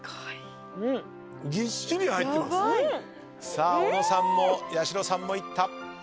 さあ小野さんもやしろさんもいった。